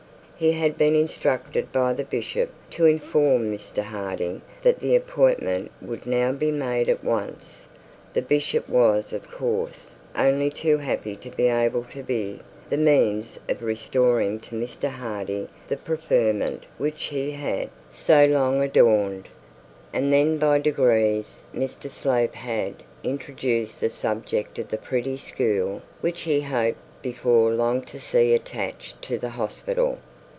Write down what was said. He had been instructed by the bishop to inform Mr Harding that the appointment would now be made at once. The bishop was of course only too happy to be able to be the means of restoring to Mr Harding the preferment which he had so long adorned. And then by degrees Mr Slope had introduced the subject of the pretty school which he had hoped before long to see attached to the hospital.